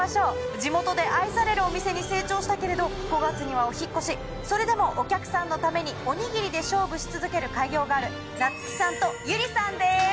地元で愛されるお店に成長したけれど５月にはお引っ越しそれでもお客さんのためにおにぎりで勝負し続ける開業ガール。